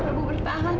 mas anunci dasar